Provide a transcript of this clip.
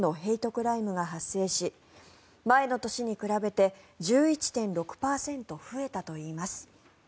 クライムが発生し前の年に比べて１１．６％増えたといいます。